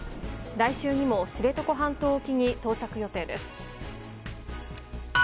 来週にも知床半島沖に到着予定です。